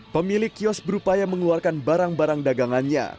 pemilik kios berupaya mengeluarkan barang barang dagangannya